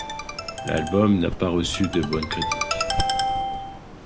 L'album n'a pas reçu de bonnes critiques.